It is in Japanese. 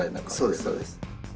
そうですそうです。